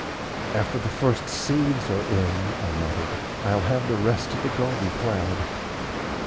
"After the first seeds are in," I muttered, "I'll have the rest of the garden plowed."